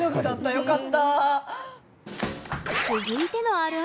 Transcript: よかった。